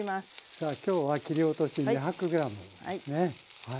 さあ今日は切り落とし２００ｇですねはい。